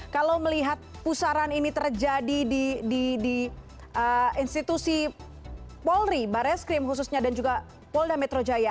kalau melihat pusaran ini terjadi di institusi polri barreskrim khususnya dan juga polda metro jaya